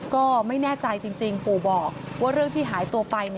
ก็ไม่แน่ใจจริงปู่บอกว่าเรื่องที่หายตัวไป